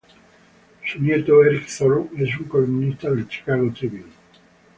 Su nieto, Eric Zorn, es un columnista del Chicago Tribune